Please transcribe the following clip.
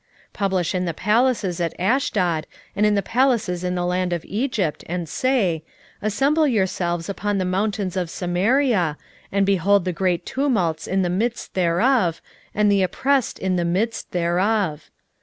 3:9 Publish in the palaces at Ashdod, and in the palaces in the land of Egypt, and say, Assemble yourselves upon the mountains of Samaria, and behold the great tumults in the midst thereof, and the oppressed in the midst thereof.